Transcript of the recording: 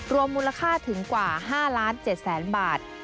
มูลค่าถึงกว่า๕๗๐๐๐๐บาท